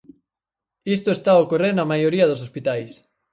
Isto está a ocorrer na maioría dos hospitais.